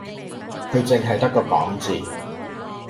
佢淨係得個講字